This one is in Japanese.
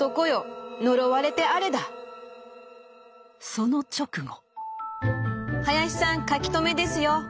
その直後。